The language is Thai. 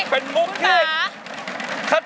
แล้วที่แบบ